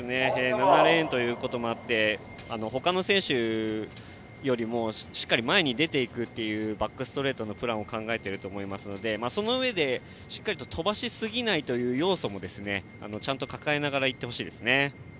７レーンということもあって他の選手よりもしっかり前に出ていくというバックストレートのプランを考えていると思いますのでそのうえでしっかりと飛ばしすぎないという要素もちゃんと抱えながらいってほしいですね。